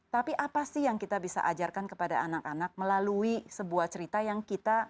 tapi apa sih yang kita bisa ajarkan kepada anak anak melalui sebuah cerita yang kita